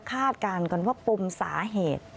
คาดการณ์กันว่าปมสาเหตุ